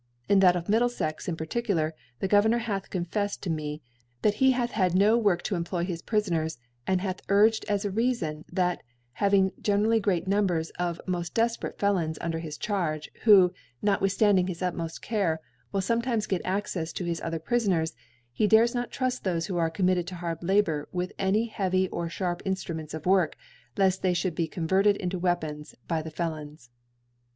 In that of Middkfex in particular, the Go vernor hath confeiTed to me that he hath had no Work to employ his Prifoners, and hath urged as a Reafon, that having gene rally great Numbers of mod defperate Per Ions under his Charge, who, notwithftand ing his utmoft Care, will fometimes get ac« cefs to his other Prifoners, he dares not truft thofe who are committed to hard Labour with any heavy or (harp Inftruments of Work, left they fliould be converted into Weapons by the Felons.